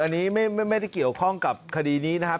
อันนี้ไม่ได้เกี่ยวข้องกับคดีนี้นะครับ